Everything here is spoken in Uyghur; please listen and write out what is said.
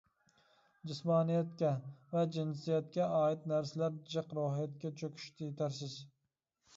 جىسمانىيەتكە ۋە جىنسىيەتكە ئائىت نەرسىلەر جىق، روھىيەتكە چۆكۈش يېتەرسىز.